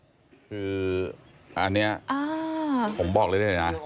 คืออันนี้ผมบอกเลยนะ